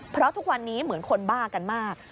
เพราะทุกวันนี้เหมือนคนบ้ากันมาก